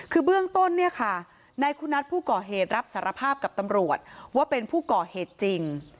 คือเบื้องต้นเนี่ยค่ะนายคุณัทผู้ก่อเหตุรับสารภาพกับตำรวจว่าเป็นผู้ก่อเหตุจริง